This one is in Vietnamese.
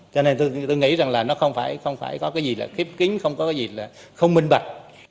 cho nên tôi nghĩ rằng là nó không phải có cái gì là khiếp kính không có cái gì là không minh bạc